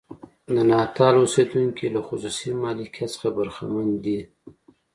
د ناتال اوسېدونکي له خصوصي مالکیت څخه برخمن دي.